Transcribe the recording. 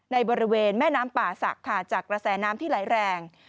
ในบริเวณแม่น้ำป่าศักดิ์ค่ะจากกระแสน้ำที่ไหลแรง